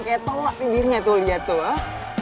kayak tongak tidirnya tuh liat tuh